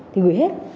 thì gửi hết